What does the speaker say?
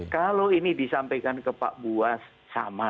kalau ini disampaikan ke pak buas sama